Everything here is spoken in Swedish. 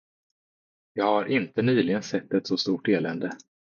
Jag har inte nyligen sett ett så stort elände.